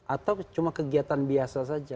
atau cuma kegiatan biasa saja